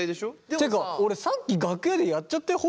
っていうか俺さっき楽屋でやっちゃったよ